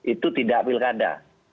itu tidak pilkada